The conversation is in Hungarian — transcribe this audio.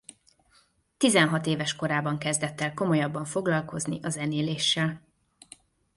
Tizenhat éves korában kezdett el komolyabban foglalkozni a zenéléssel.